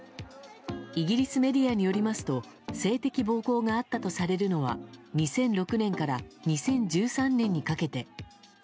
イギリスメディアによりますと性的暴行があったとされるのは２００６年から２０１３年にかけて。